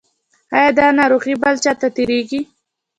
ایا دا ناروغي بل چا ته تیریږي؟